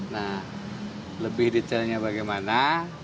nah lebih detailnya bagaimana